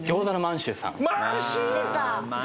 満州！